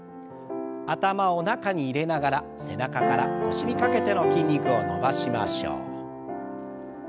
頭を中に入れながら背中から腰にかけての筋肉を伸ばしましょう。